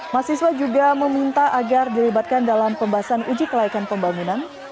mahasiswa juga meminta agar dilibatkan dalam pembahasan uji kelayakan pembangunan